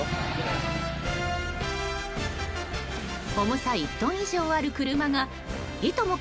重さ１トン以上ある車がいとも